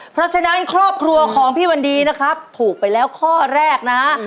เพราะฉะนั้นครอบครัวของพี่วันดีนะครับถูกไปแล้วข้อแรกนะฮะ